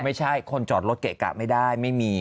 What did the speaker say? ไม่ใช่คนจอดรถเกะกะไม่ได้ไม่มี